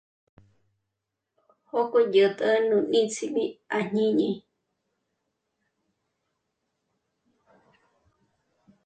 Jókò yä't'ä nú níts'imí àjñíni